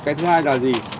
cái thứ hai là gì